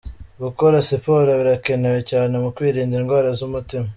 Gukora siporo birakenewe cyane mu kwirinda indwara z'umutima.